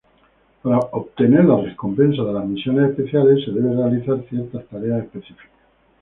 Para obtener las recompensas de las misiones especiales se deben realizar ciertas tareas específicas.